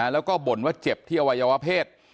แล้วก็บ่นว่าเจ็บที่อวัยวะเพศ